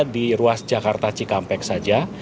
di ruas jakarta cikampek saja